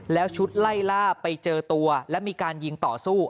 แล้วชุดไล่ล่าไปเจอตัวและมีการยิงต่อสู้